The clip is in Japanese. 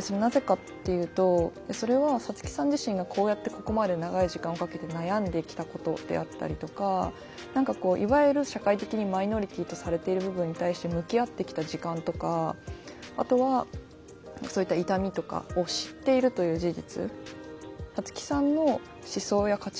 それなぜかっていうとそれはサツキさん自身がこうやってここまで長い時間をかけて悩んできたことであったりとか何かこういわゆる社会的にマイノリティーとされている部分に対して向き合ってきた時間とかあとはそういった痛みとかを知っているという事実。